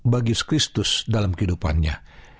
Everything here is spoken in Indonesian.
bagi kristus dalam kehidupannya